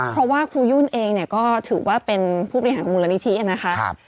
เพราะว่าครูยุ่นเองเนี่ยก็ถือว่าเป็นผู้บริหารมูลนิธินะคะ